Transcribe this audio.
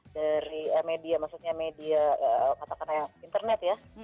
dari media maksudnya media katakanlah internet ya